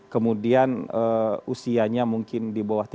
kemudian usianya mungkin di bawah tiga puluh